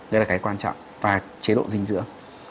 đây là cái quan trọng và chế độ dinh dưỡng